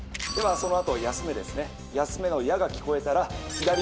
そのあと「休め」ですねで